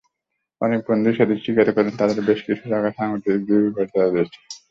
অনেক বন্ধুই সেদিন স্বীকার করেন, তাঁদের বেশ কিছু জায়গায় সাংগঠনিক দুর্বলতা রয়েছে।